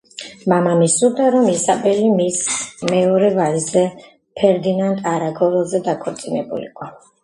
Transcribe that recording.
მამამისს სურდა, რომ ისაბელი მის მეორე ვაჟზე, ფერდინანდ არაგონელზე დაქორწინებულიყო.